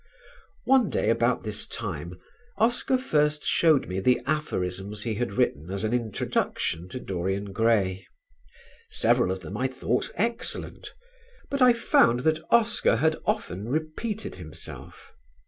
One day about this time Oscar first showed me the aphorisms he had written as an introduction to "Dorian Gray." Several of them I thought excellent; but I found that Oscar had often repeated himself.